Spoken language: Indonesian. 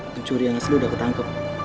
pencuri anaslu udah ketangkep